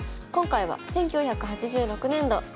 今回は１９８６年度